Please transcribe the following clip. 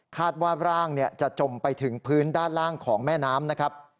ร่างจะจมไปถึงพื้นด้านล่างของแม่น้ำนะครับ